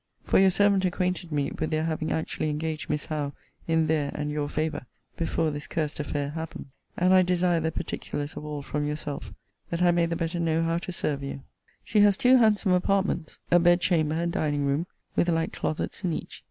For your servant acquainted me with their having actually engaged Miss Howe in their and your favour, before this cursed affair happened. And I desire the particulars of all from yourself, that I may the better know how to serve you. She has two handsome apartments, a bed chamber and dining room, with light closets in each.